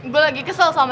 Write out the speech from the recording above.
gue lagi kesel sama jaya